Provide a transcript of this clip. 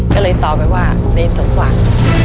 ก็เลยตอบไปว่าเนรสมหวัง